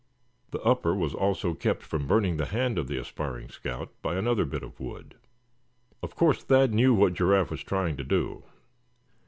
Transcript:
The upper was also kept from burning the hand of the aspiring scout by another bit of wood. Of course Thad knew what Giraffe was trying to do.